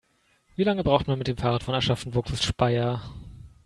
Wie lange braucht man mit dem Fahrrad von Aschaffenburg bis Speyer?